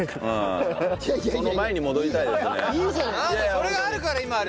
それがあるから今ある。